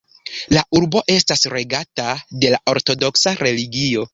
La urbo estas regata de la ortodoksa religio.